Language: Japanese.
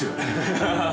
ハハハ。